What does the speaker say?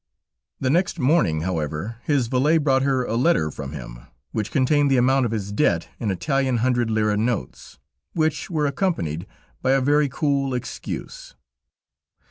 The next morning, however, his valet brought her a letter from him, which contained the amount of his debt in Italian hundred liri notes, which were accompanied by a very cool excuse.